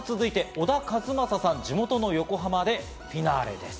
小田和正さん、地元の横浜でフィナーレです。